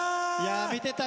見てたよ。